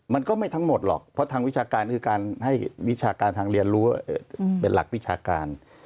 มันก็ไม่ทั้งหมดหรอกเพราะทางวิชาการคือการให้วิชาการทางเรียนรู้เป็นหลักวิชาการ